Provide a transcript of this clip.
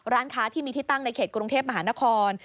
ร้านค้าที่มีที่ตั้งในเขตกรุงเทพมหานคร